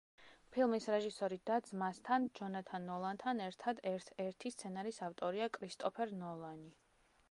ფილმის რეჟისორი და ძმასთან, ჯონათან ნოლანთან ერთად ერთ-ერთი სცენარის ავტორია კრისტოფერ ნოლანი.